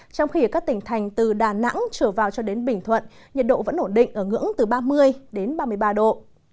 trong khi ở các tỉnh thành từ đà nẵng trở vào cho đến bình thuận nhiệt độ vẫn ổn định ở ngưỡng từ ba mươi đến ba mươi ba độ